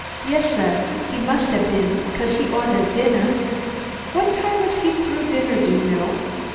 "Yes, suh! He must hab been, 'cause he ohdahd dinnah." "What time was he through dinner, do you know?"